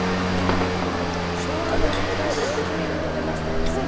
しょうがもわりと大きめに入れてましたよね。